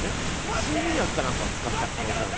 睡眠薬かなんかを使った可能性がある。